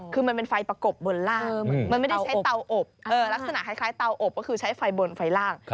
คือมันเป็นไฟประกบบนล่างมันไม่ได้ใช้เตาอบลักษณะคล้ายเตาอบก็คือใช้ไฟบนไฟล่าง